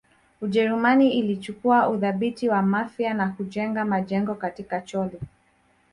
Ujerumani ilichukua udhibiti wa Mafia na kujenga majengo katika Chole